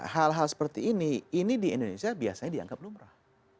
hal hal seperti ini ini di indonesia biasanya dianggap lumrah